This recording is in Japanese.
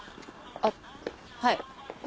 あっはい。